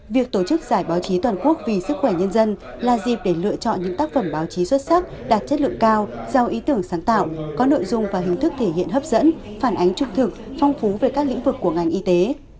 việc tổ chức giải báo chí toàn quốc vì sức khỏe nhân dân là dịp để lựa chọn những tác phẩm báo chí xuất sắc đạt chất lượng cao giao ý tưởng sáng tạo có nội dung và hình thức thể hiện hấp dẫn phản ánh trung thực phong phú về các lĩnh vực của ngành y tế